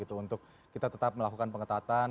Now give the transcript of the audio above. untuk kita tetap melakukan pengetatan